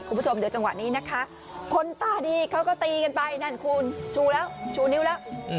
คุณผู้ชมเดี๋ยวจังหวะนี้นะคะคนตาดีเขาก็ตีกันไปนั่นคุณชูแล้วชูนิ้วแล้ว